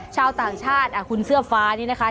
ชาวต่างชาติคุณเสื้อฟ้านี่นะคะ